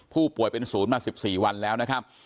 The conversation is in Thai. ป่วยเป็นศูนย์มา๑๔วันแล้วนะครับ